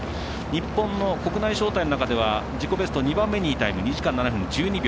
日本の国内招待の中では自己ベスト２番目にいいタイム２時間７分１７秒。